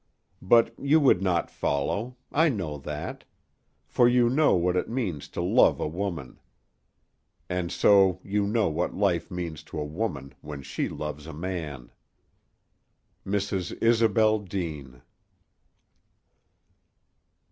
But you would not follow. I know that. For you know what it means to love a woman, and so you know what life means to a woman when she loves a man. MRS. ISOBEL DEANE."